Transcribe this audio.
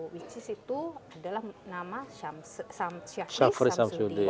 which is itu adalah nama syafri shamsuddin